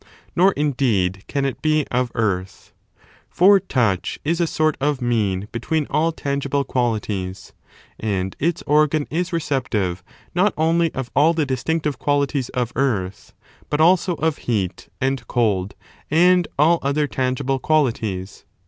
Nor indeed can it be of earth. For touch is a sort of mean between all tangible qualities, and its organ is receptive not only of all the distinctive qualities of earth, but also of heat and cold and all other tangible qualities.